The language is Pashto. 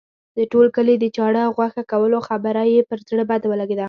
د ټول کلي د چاړه او غوښه کولو خبره یې پر زړه بد ولګېده.